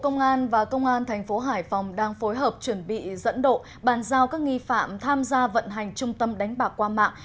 công an và công an thành phố hải phòng đang phối hợp chuẩn bị dẫn độ bàn giao các nghi phạm tham gia vận hành trung tâm đánh bạc qua mạng